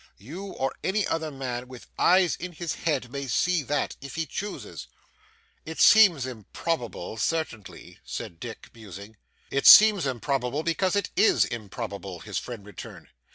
You or any other man with eyes in his head may see that, if he chooses.' 'It seems improbable certainly,' said Dick, musing. 'It seems improbable because it is improbable,' his friend returned.